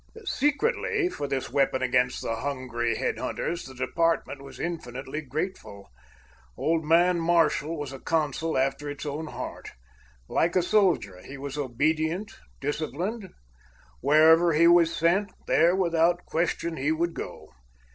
Secretly, for this weapon against the hungry headhunters, the department was infinitely grateful. Old man Marshall was a consul after its own heart. Like a soldier, he was obedient, disciplined; wherever he was sent, there, without question, he would go.